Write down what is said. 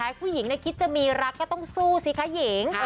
หากต้องสู้ใครหนึ่งคิดจะมีรักก็ต้องสู้ซิคะหญิง